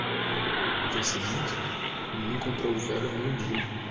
No dia seguinte? o menino encontrou o velho ao meio-dia.